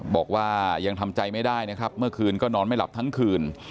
บอกว่ายังทำใจไม่ได้นะครับเมื่อคืนก็นอนไม่หลับทั้งคืน